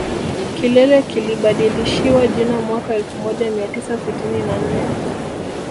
Kilele kilibadilishiwa jina mwaka elfu moja mia tisa sitini na nne